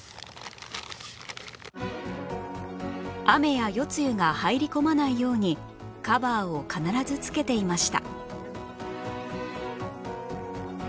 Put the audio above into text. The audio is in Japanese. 雨や夜露が入り込まないようにカバーを必ず付けていました